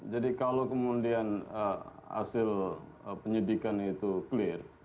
jadi kalau kemudian hasil penyelidikan itu clear